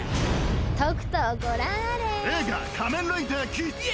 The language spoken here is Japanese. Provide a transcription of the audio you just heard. とくとご覧あれ！